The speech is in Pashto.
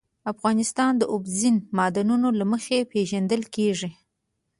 افغانستان د اوبزین معدنونه له مخې پېژندل کېږي.